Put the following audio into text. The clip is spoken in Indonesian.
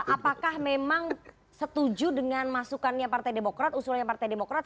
apakah memang setuju dengan masukannya partai demokrat usulannya partai demokrat